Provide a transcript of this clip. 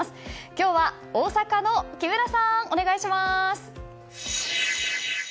今日は大阪の木村さんお願いします。